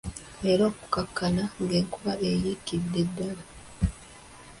Era okukkakkana ng'enkuba eyiikidde ddala.